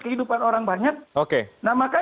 kehidupan orang banyak oke nah maka